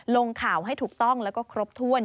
ลงข่าวให้ถูกต้องแล้วก็ครบถ้วน